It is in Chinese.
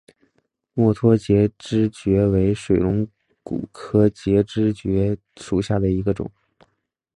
墨脱节肢蕨为水龙骨科节肢蕨属下的一个种。